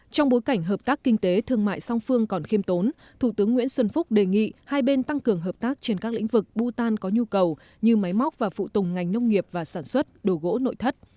trong bối cảnh hợp tác kinh tế thương mại song phương còn khiêm tốn thủ tướng nguyễn xuân phúc đề nghị hai bên tăng cường hợp tác trên các lĩnh vực bhutan có nhu cầu như máy móc và phụ tùng ngành nông nghiệp và sản xuất đồ gỗ nội thất